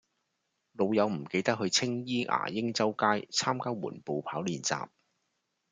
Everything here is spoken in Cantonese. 老友唔記得去青衣牙鷹洲街參加緩步跑練習